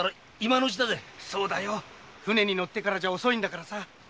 船に乗ってからじゃ遅いんだからさ。